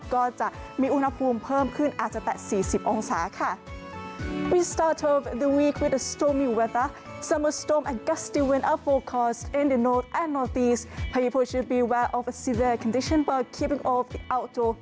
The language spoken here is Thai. ก็จะมีอุณหภูมิเพิ่มขึ้นอาจจะแตะ๔๐องศาค่ะ